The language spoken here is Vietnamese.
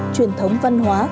truyền thống văn hóa